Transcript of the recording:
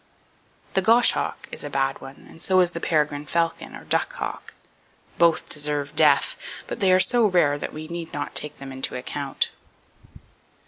The Goshawk is a bad one, and so is the Peregrine Falcon, or Duck Hawk. Both deserve death, but they are so rare that we need not take them into account.